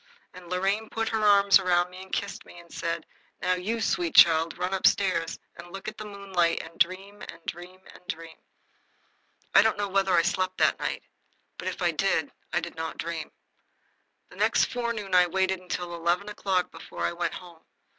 And Lorraine put her arms round me and kissed me and said, "Now, you sweet child, run up stairs and look at the moonlight and dream and dream and dream." I don't know whether I slept that night; but, if I did, I did not dream. The next forenoon I waited until eleven o'clock before I went home.